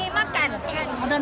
buat kami makan